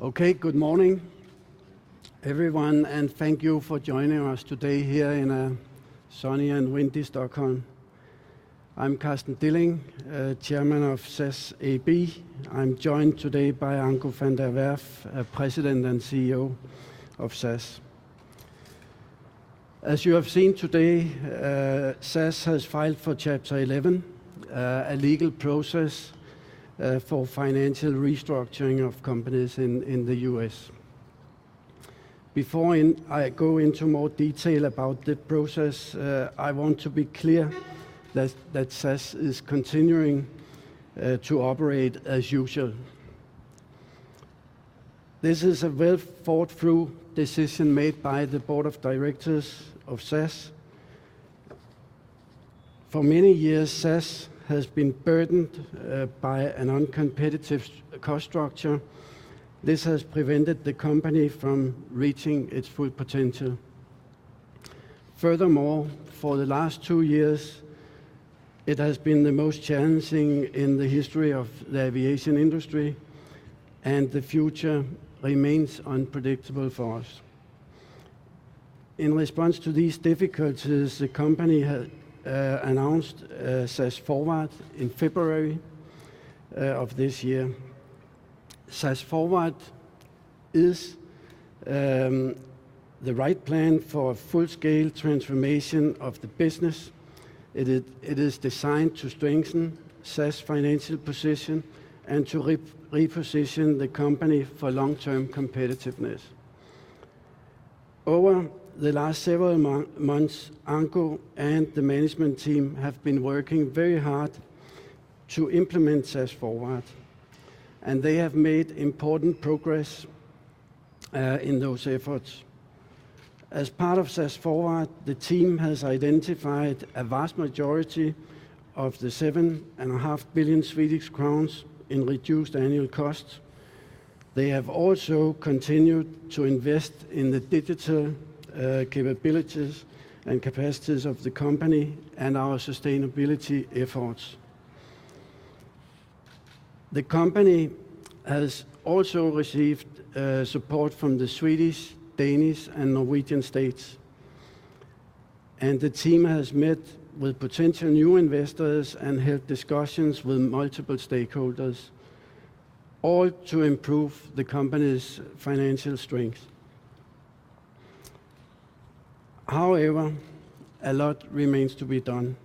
Okay, good morning everyone, and thank you for joining us today here in sunny and windy Stockholm. I'm Carsten Dilling, Chairman of SAS AB. I'm joined today by Anko van der Werff, President and CEO of SAS. As you have seen today, SAS has filed for Chapter 11, a legal process for financial restructuring of companies in the US. Before I go into more detail about the process, I want to be clear that SAS is continuing to operate as usual. This is a well-thought-through decision made by the board of directors of SAS. For many years, SAS has been burdened by an uncompetitive cost structure. This has prevented the company from reaching its full potential. Furthermore, for the last two years it has been the most challenging in the history of the aviation industry, and the future remains unpredictable for us. In response to these difficulties, the company announced SAS FORWARD in February of this year. SAS FORWARD is the right plan for a full-scale transformation of the business. It is designed to strengthen SAS' financial position and to reposition the company for long-term competitiveness. Over the last several months, Anko and the management team have been working very hard to implement SAS FORWARD, and they have made important progress in those efforts. As part of SAS FORWARD, the team has identified a vast majority of the 7.5 billion Swedish crowns In reduced annual costs. They have also continued to invest in the digital capabilities and capacities of the company and our sustainability efforts. The company has also received support from the Swedish, Danish, and Norwegian states, and the team has met with potential new investors and had discussions with multiple stakeholders, all to improve the company's financial strength. However, a lot remains to be done,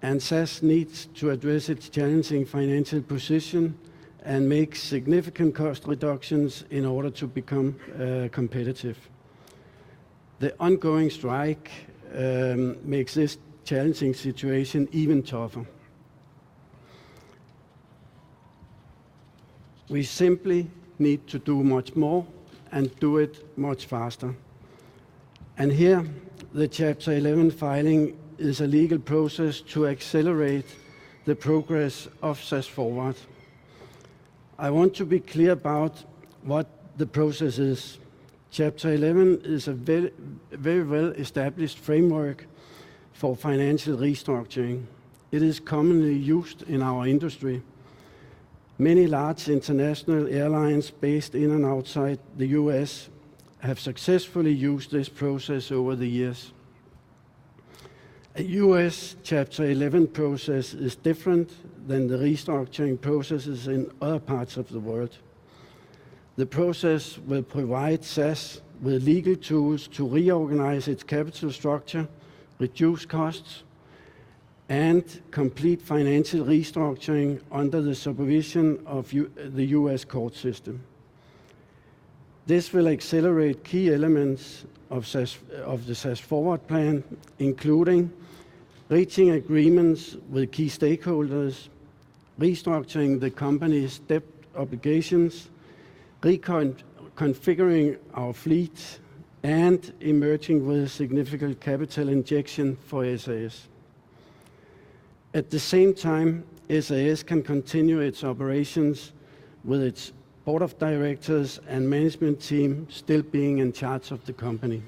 and SAS needs to address its challenging financial position and make significant cost reductions in order to become competitive. The ongoing strike makes this challenging situation even tougher. We simply need to do much more and do it much faster, and here the Chapter 11 filing is a legal process to accelerate the progress of SAS FORWARD. I want to be clear about what the process is. Chapter 11 is a very well-established framework for financial restructuring. It is commonly used in our industry. Many large international airlines based in and outside the U.S. have successfully used this process over the years. A U.S. Chapter 11 process is different than the restructuring processes in other parts of the world. The process will provide SAS with legal tools to reorganize its capital structure, reduce costs, and complete financial restructuring under the supervision of the U.S. court system. This will accelerate key elements of the SAS FORWARD plan, including reaching agreements with key stakeholders, restructuring the company's debt obligations, reconfiguring our fleet, and emerging with a significant capital injection for SAS. At the same time, SAS can continue its operations with its board of directors and management team still being in charge of the company.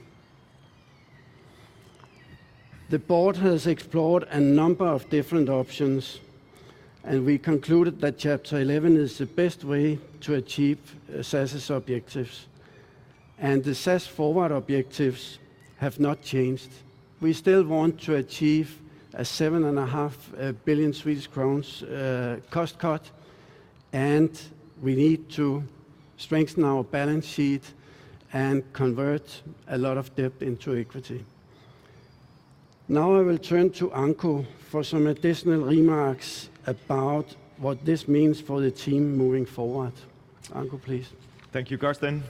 The board has explored a number of different options, and we concluded that Chapter 11 is the best way to achieve SAS's objectives, and the SAS FORWARD objectives have not changed. We still want to achieve a 7.5 billion Swedish crowns cost cut, and we need to strengthen our balance sheet and convert a lot of debt into equity. Now I will turn to Anko for some additional remarks about what this means for the team moving forward. Anko, please. Thank you, Carsten.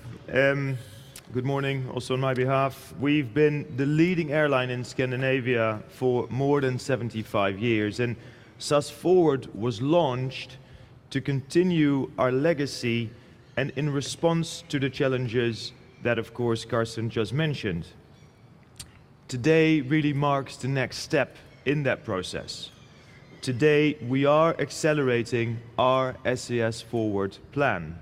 Good morning also on my behalf. We've been the leading airline in Scandinavia for more than 75 years, and SAS FORWARD was launched to continue our legacy and in response to the challenges that of course Carsten just mentioned. Today really marks the next step in that process. Today, we are accelerating our SAS FORWARD plan.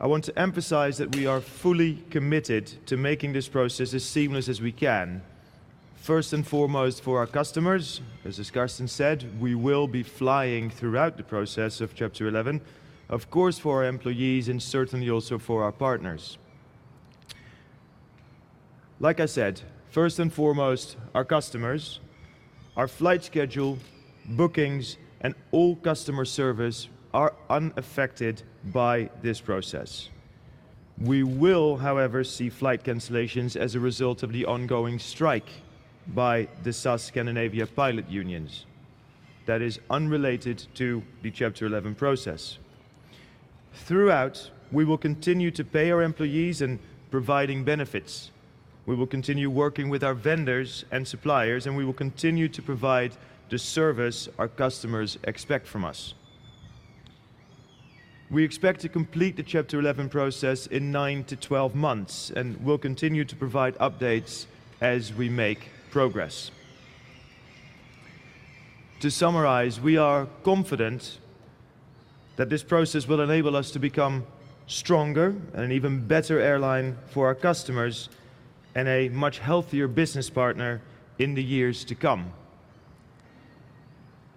I want to emphasize that we are fully committed to making this process as seamless as we can, first and foremost for our customers. As Carsten said, we will be flying throughout the process of Chapter 11, of course, for our employees and certainly also for our partners. Like I said, first and foremost, our customers, our flight schedule, bookings, and all customer service are unaffected by this process. We will, however, see flight cancellations as a result of the ongoing strike by the SAS Scandinavia pilots' unions. That is unrelated to the Chapter 11 process. Throughout, we will continue to pay our employees and providing benefits. We will continue working with our vendors and suppliers, and we will continue to provide the service our customers expect from us. We expect to complete the Chapter 11 process in 9-12 months, and we'll continue to provide updates as we make progress. To summarize, we are confident that this process will enable us to become stronger and an even better airline for our customers and a much healthier business partner in the years to come.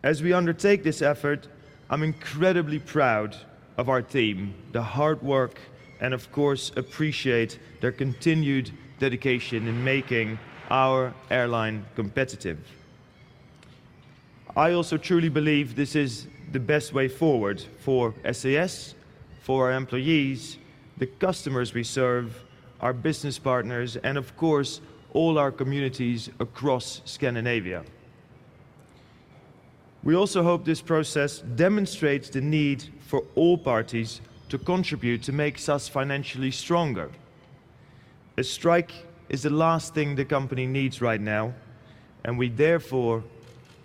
As we undertake this effort, I'm incredibly proud of our team, the hard work, and of course, appreciate their continued dedication in making our airline competitive. I also truly believe this is the best way forward for SAS, for our employees, the customers we serve, our business partners, and of course, all our communities across Scandinavia. We also hope this process demonstrates the need for all parties to contribute to make SAS financially stronger. A strike is the last thing the company needs right now, and we, therefore,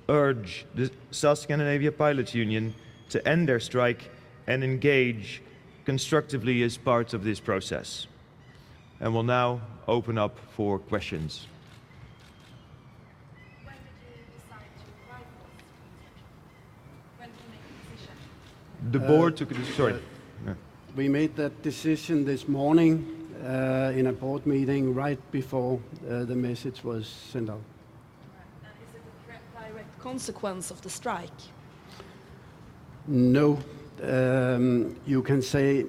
urge the SAS Scandinavia pilots' unions to end their strike and engage constructively as part of this process. We'll now open up for questions. When did you decide to file for this? When did you make the decision? Sorry. We made that decision this morning in a board meeting right before the message was sent out. All right. Is it a direct consequence of the strike? No. You can say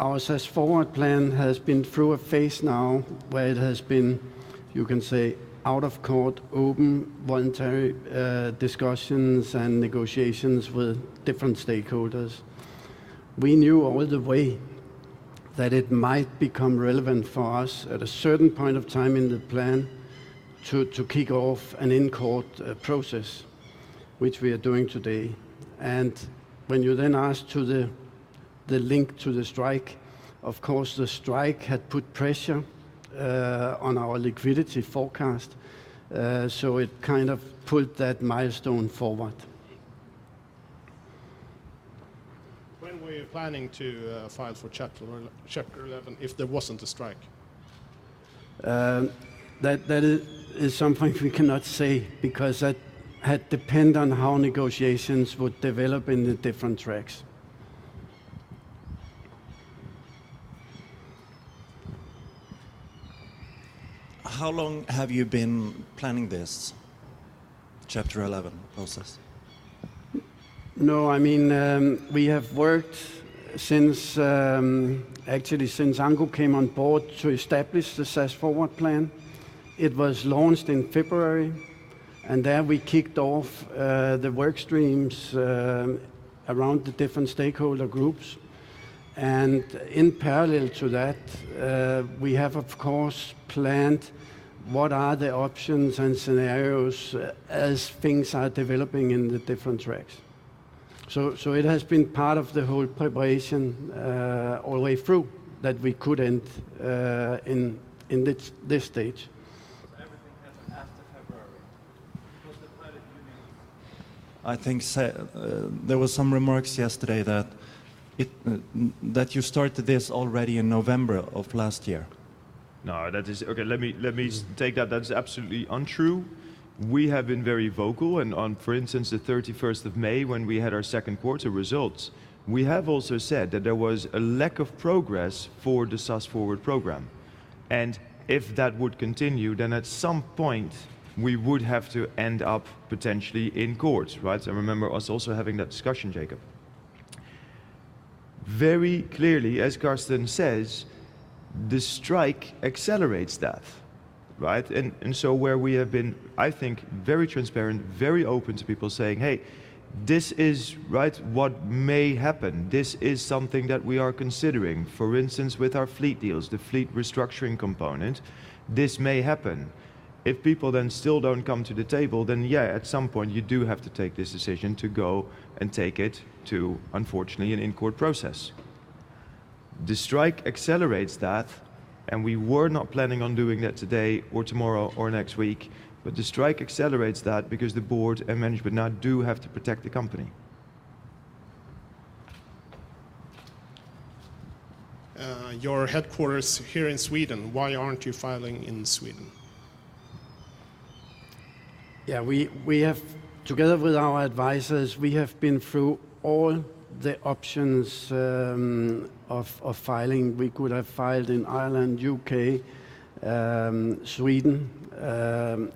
our SAS FORWARD Plan has been through a phase now where it has been, you can say, out of court, open, voluntary discussions and negotiations with different stakeholders. We knew all the way that it might become relevant for us at a certain point of time in the plan to kick off an in-court process, which we are doing today. When you then ask about the link to the strike, of course, the strike had put pressure on our liquidity forecast, so it kind of pulled that milestone forward. When were you planning to file for Chapter 11 if there wasn't a strike? That is something we cannot say because that would depend on how negotiations would develop in the different tracks. How long have you been planning this Chapter 11 process? No, I mean, we have worked since, actually since Anko came on board to establish the SAS FORWARD Plan. It was launched in February, and then we kicked off the work streams around the different stakeholder groups. In parallel to that, we have, of course, planned what are the options and scenarios as things are developing in the different tracks. It has been part of the whole preparation all the way through that we could end in this stage. Everything happened after February? Because the pilot union- I think there was some remarks yesterday that you started this already in November of last year. No, that is. Okay, let me take that. That's absolutely untrue. We have been very vocal and on, for instance, the 31st of May when we had our second quarter results, we have also said that there was a lack of progress for the SAS FORWARD program. If that would continue, then at some point we would have to end up potentially in court, right? I remember us also having that discussion, Jacob. Very clearly, as Carsten says, the strike accelerates that, right? So where we have been, I think, very transparent, very open to people saying, "Hey, this is, right, what may happen. This is something that we are considering." For instance, with our fleet deals, the fleet restructuring component, this may happen. If people then still don't come to the table, then yeah, at some point you do have to take this decision to go and take it to, unfortunately, an in-court process. The strike accelerates that, and we were not planning on doing that today or tomorrow or next week. The strike accelerates that because the board and management now do have to protect the company. Your headquarters here in Sweden, why aren't you filing in Sweden? Yeah, we, together with our advisors, have been through all the options of filing. We could have filed in Ireland, U.K., Sweden.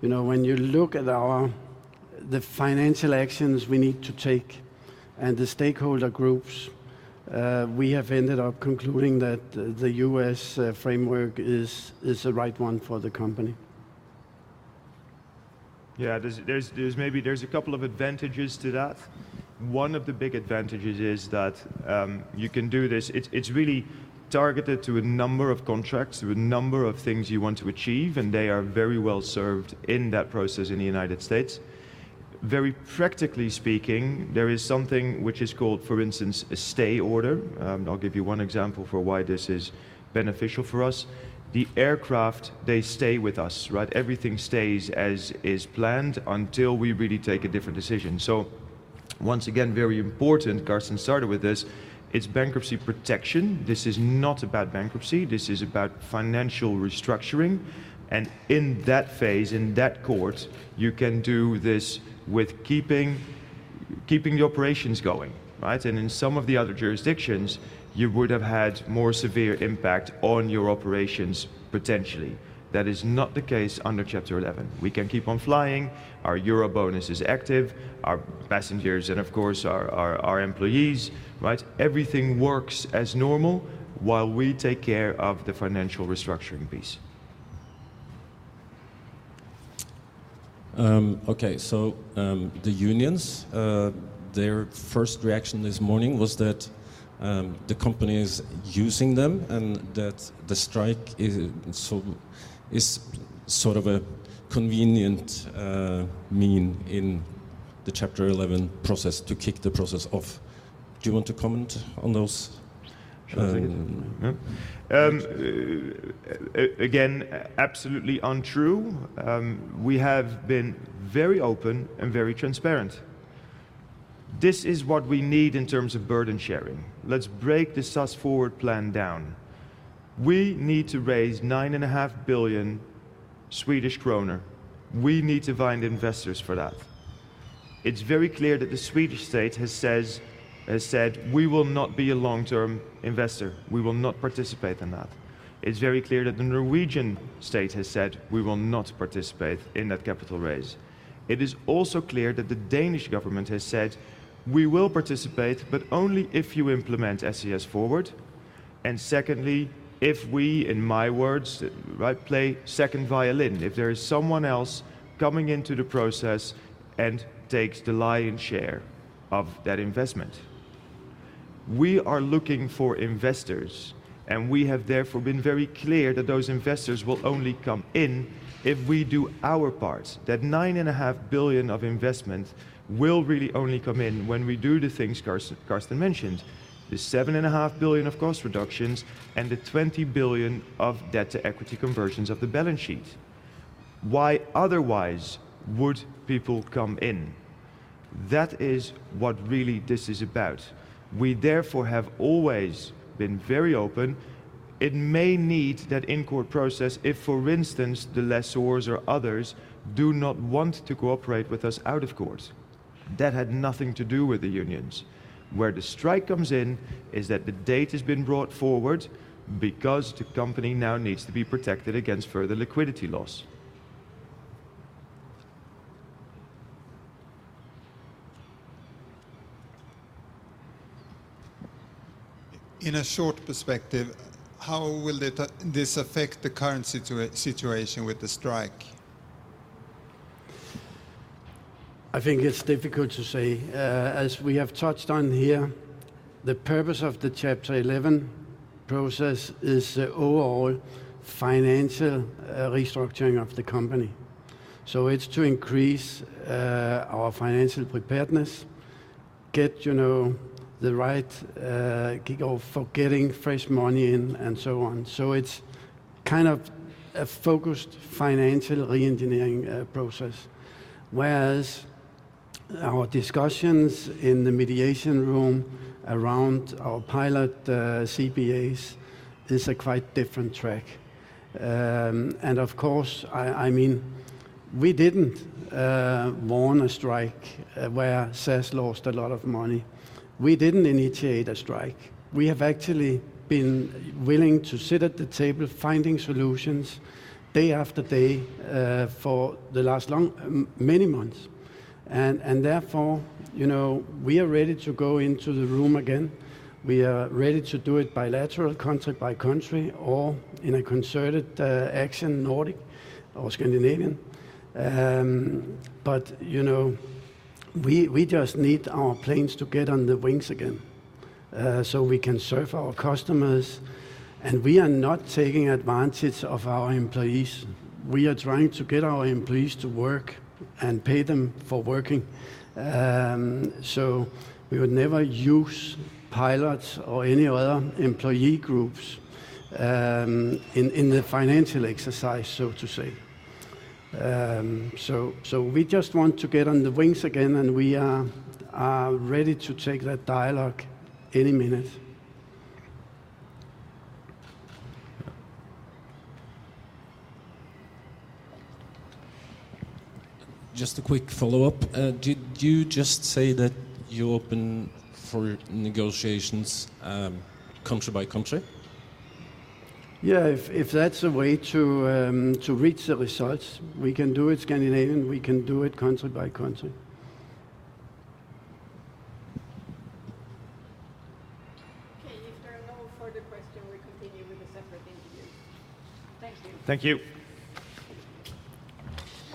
You know, when you look at the financial actions we need to take and the stakeholder groups, we have ended up concluding that the U.S. framework is the right one for the company. Yeah. There's maybe a couple of advantages to that. One of the big advantages is that you can do this. It's really targeted to a number of contracts, to a number of things you want to achieve, and they are very well served in that process in the United States. Very practically speaking, there is something which is called, for instance, a stay order. I'll give you one example for why this is beneficial for us. The aircraft, they stay with us, right? Everything stays as is planned until we really take a different decision. Once again, very important, Carsten started with this, it's bankruptcy protection. This is not about bankruptcy. This is about financial restructuring, and in that phase, in that court, you can do this with keeping the operations going, right? In some of the other jurisdictions, you would have had more severe impact on your operations potentially. That is not the case under Chapter 11. We can keep on flying. Our EuroBonus is active. Our passengers and of course our employees, right? Everything works as normal while we take care of the financial restructuring piece. The unions' first reaction this morning was that the company is using them and that the strike is sort of a convenient means in the Chapter 11 process to kick the process off. Do you want to comment on those? Shall I take it? Yeah. Again, absolutely untrue. We have been very open and very transparent. This is what we need in terms of burden sharing. Let's break the SAS FORWARD plan down. We need to raise 9.5 billion Swedish kronor. We need to find investors for that. It's very clear that the Swedish state has said, "We will not be a long-term investor. We will not participate in that." It's very clear that the Norwegian state has said, "We will not participate in that capital raise." It is also clear that the Danish government has said, "We will participate, but only if you implement SAS FORWARD, and secondly, if we," in my words, right? "Play second violin. If there is someone else coming into the process and takes the lion's share of that investment." We are looking for investors, and we have therefore been very clear that those investors will only come in if we do our part. That 9.5 billion of investment will really only come in when we do the things Carsten mentioned, the 7.5 billion of cost reductions and the 20 billion of debt-to-equity conversions of the balance sheet. Why otherwise would people come in? That is what really this is about. We therefore have always been very open. It may need that in court process if, for instance, the lessors or others do not want to cooperate with us out of court. That had nothing to do with the unions. Where the strike comes in is that the date has been brought forward because the company now needs to be protected against further liquidity loss. In a short perspective, how will this affect the current situation with the strike? I think it's difficult to say. As we have touched on here, the purpose of the Chapter 11 process is overall financial restructuring of the company, so it's to increase our financial preparedness, get you know the right gig of getting fresh money in and so on. It's kind of a focused financial reengineering process, whereas our discussions in the mediation room around our pilot CBAs is a quite different track. Of course, I mean, we didn't want a strike where SAS lost a lot of money. We didn't initiate a strike. We have actually been willing to sit at the table finding solutions day after day for the last long many months and therefore you know we are ready to go into the room again. We are ready to do it bilaterally, country by country, or in a concerted action, Nordic or Scandinavian. You know, we just need our planes to get on the wings again, so we can serve our customers. We are not taking advantage of our employees. We are trying to get our employees to work and pay them for working. We would never use pilots or any other employee groups in the financial exercise, so to say. We just want to get on the wings again, and we are ready to take that dialogue any minute. Just a quick follow-up. Did you just say that you're open for negotiations, country by country? Yeah. If that's a way to reach the results, we can do it Scandinavian. We can do it country by country. Okay. If there are no further question, we continue with a separate interview. Thank you. Thank you.